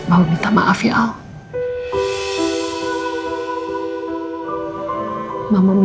aku mau mencadang villagers